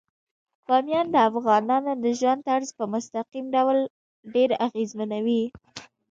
بامیان د افغانانو د ژوند طرز په مستقیم ډول ډیر اغېزمنوي.